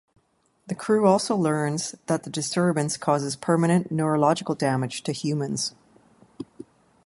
The crew also learns that the disturbance causes permanent neurological damage to humans.